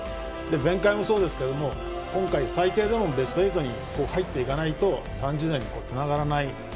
前回もそうですけども今回、最低でもベスト８に入っていかないと２０３０年につながらない。